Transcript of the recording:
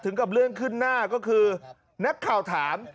กับเรื่องขึ้นหน้าก็คือนักข่าวถาม